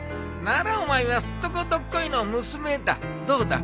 ならお前はすっとこどっこいの娘だ。